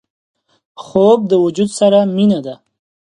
خوب د وجود سره مینه ده